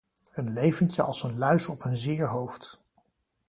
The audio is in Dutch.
Een leventje als een luis op een zeer hoofd.